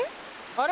あれ！